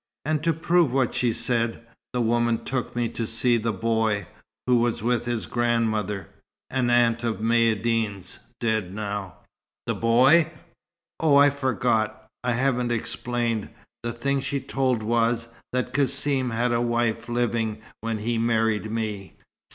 And to prove what she said, the woman took me to see the boy, who was with his grandmother an aunt of Maïeddine's, dead now." "The boy?" "Oh, I forgot. I haven't explained. The thing she told was, that Cassim had a wife living when he married me."